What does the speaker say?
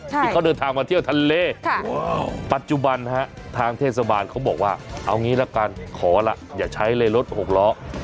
ที่เขาเดินทางมาเที่ยวทะเลปัจจุบันฮะทางเทศบาลเขาบอกว่าเอางี้ละกันขอล่ะอย่าใช้เลยรถหกล้อ